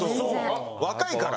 若いから。